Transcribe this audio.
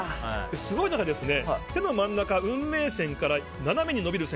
すごいのが、手の真ん中運命線から斜めに伸びる線。